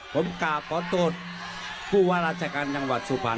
ผมกราบขอโทษผู้ว่าราชการจังหวัดสุพรรณ